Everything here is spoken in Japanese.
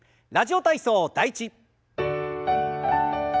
「ラジオ体操第１」。